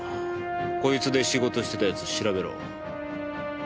こいつで仕事してた奴調べろ。